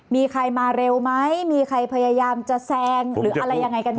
มีใครมาเร็วไหมมีใครพยายามจะแซงหรืออะไรยังไงกันแ